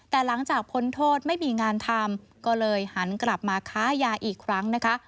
แต่หลังจากพ้นโทษไม่มีงานทำก็เลยหันกลับมาค้ายาอีกครั้งนะคะ